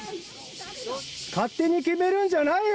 勝手に決めるんじゃないよ。